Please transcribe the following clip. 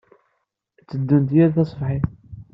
Ad tteddunt yal taṣebḥit.